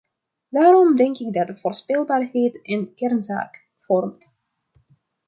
Daarom denk ik dat voorspelbaarheid een kernzaak vormt.